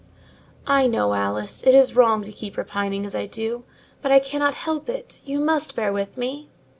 "I know, Alice, it is wrong to keep repining as I do, but I cannot help it: you must bear with me."